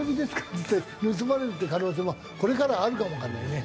っていって盗まれるっていう可能性もこれからはあるかもわからないね。